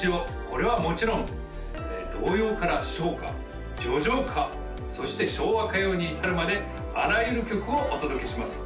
これはもちろん童謡から唱歌叙情歌そして昭和歌謡に至るまであらゆる曲をお届けします